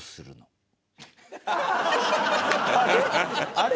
あれ？